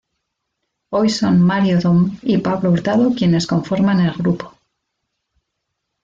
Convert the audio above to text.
Hoy son Mario Domm y Pablo Hurtado quienes conforman al grupo.